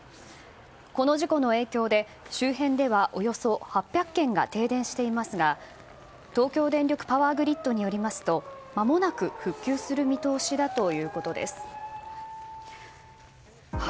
この事故の影響で周辺ではおよそ８００軒が停電していますが東京電力パワーグリッドによりますとまもなく復旧する見通しだということです。